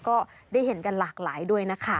ก็ได้เห็นกันหลากหลายด้วยนะคะ